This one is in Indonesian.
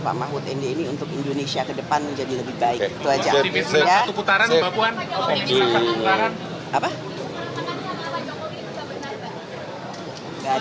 pamahut ini untuk indonesia kedepan menjadi lebih baik itu aja ya putaran putaran apa